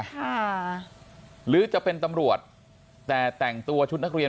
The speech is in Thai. ค่ะหรือจะเป็นตำรวจแต่แต่งตัวชุดนักเรียน